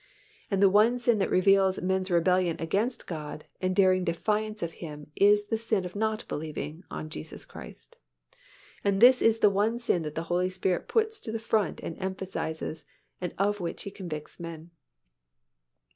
And the one sin that reveals men's rebellion against God and daring defiance of Him is the sin of not believing on Jesus Christ, and this is the one sin that the Holy Spirit puts to the front and emphasizes and of which He convicts men.